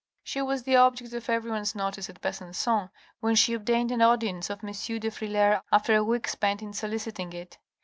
She was the object of everyone's notice at Besancon when she obtained an audience of M. de Frilair after a week spent in soliciting it.